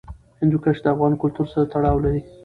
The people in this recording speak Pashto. هندوکش د افغان کلتور سره تړاو لري.